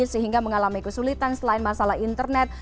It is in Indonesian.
sehingga mengalami kesulitan selain masalah internet